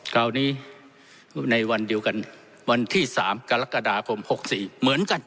คราวนี้ในวันเดียวกันวันที่๓กรกฎาคม๖๔เหมือนกัน